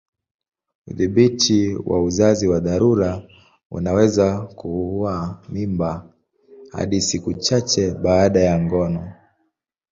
Udhibiti wa uzazi wa dharura unaweza kuua mimba hadi siku chache baada ya ngono.